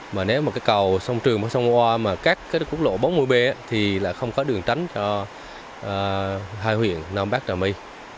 mà nếu mà cái cầu sông trường sông ngoa mà cắt cái quốc lộ bốn mươi b thì là không có đường tránh cho hai huyện nam bắc trà my